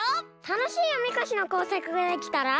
たのしいおみこしのこうさくができたら。